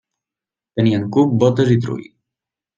Tenien cup, bótes i trull.